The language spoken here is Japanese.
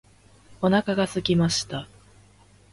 お腹が空きました。